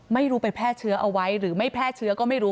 ไม่รู้ไปแพร่เชื้อเอาไว้หรือไม่แพร่เชื้อก็ไม่รู้